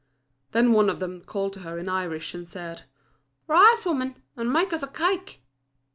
Then one of them called to her in Irish, and said "Rise, woman, and make us a cake."